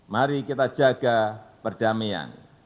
mari kita jaga perdamaian